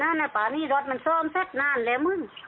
นั่นน่ะป่านี่รถมันซ่อมเสร็จนานแล้วมึง